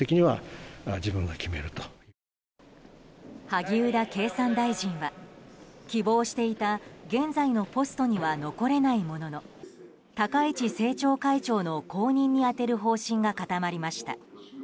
萩生田経産大臣は希望していた現在のポストには残れないものの高市政調会長の後任に充てる方針が固まりました。